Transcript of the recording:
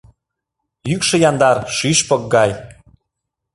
Йӱкшӧ яндар — шӱшпык гай